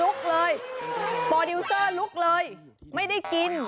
เลยโปรดิวเซอร์ลุกเลยไม่ได้กิน